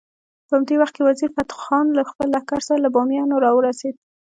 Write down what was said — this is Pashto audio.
په همدې وخت کې وزیر فتح خان له خپل لښکر سره له بامیانو راورسېد.